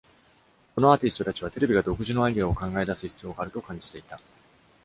このアーティストたちは、テレビが独自のアイデアを考え出す必要があると感じていた。